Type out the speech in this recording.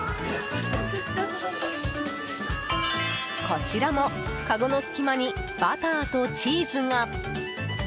こちらも、かごの隙間にバターとチーズが。